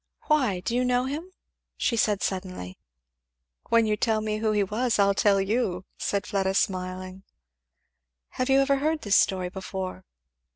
Why, do you know him?" she said suddenly. "When you tell me who he was I'll tell you," said Fleda smiling. "Have you ever heard this story before?"